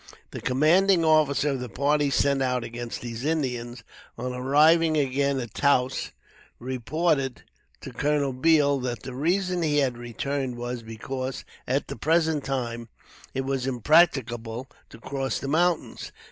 The commanding officer of the party sent out against these Indians, on arriving again at Taos, reported to Col. Beall that the reason he had returned was because, at the present time, it was impracticable to cross the mountains.